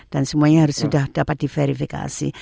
dan semuanya sudah dapat diverifikasi